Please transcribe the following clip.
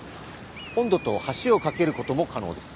本土と橋を架けることも可能です。